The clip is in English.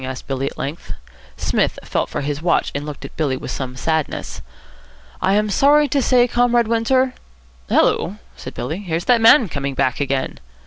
asked Billy at length. Psmith felt for his watch, and looked at Billy with some sadness. "I am sorry to say, Comrade Windsor " "Hullo," said Billy, "here's that man coming back again."